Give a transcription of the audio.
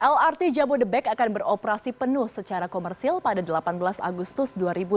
lrt jabodebek akan beroperasi penuh secara komersil pada delapan belas agustus dua ribu dua puluh